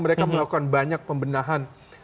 mereka melakukan banyak pembenahan